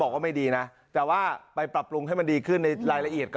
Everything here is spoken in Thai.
ก็ไม่ดีนะแต่ว่าไปปรับปรุงให้มันดีขึ้นในรายละเอียดก็